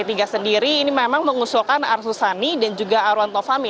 p tiga sendiri ini memang mengusulkan arsusani dan juga arwanto fami